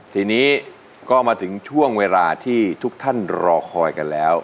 ทีนี้ก็มาถึงช่วงเวลาที่ทุกท่านรอคอยกันแล้ว